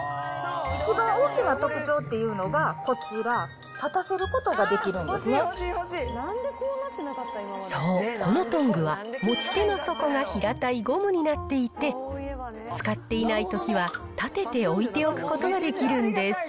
一番大きな特徴というのが、こちら、立たせることができるんそう、このトングは、持ち手の底が平たいゴムになっていて、使っていないときは、立てて置いておくことができるんです。